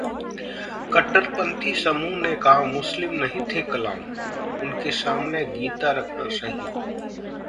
कट्टरपंथी समूह ने कहा- मुस्लिम नहीं थे कलाम, उनके सामने गीता रखना सही